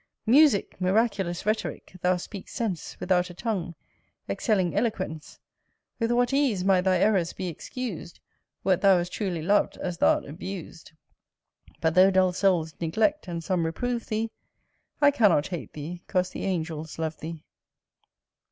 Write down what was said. Musick! miraculous rhetorick, thou speak'st sense Without a tongue, excelling eloquence; With what ease might thy errors be excus'd, Wert thou as truly lov'd as th' art abus'd! But though dull souls neglect, and some reprove thee, I cannot hate thee, 'cause the Angels love thee.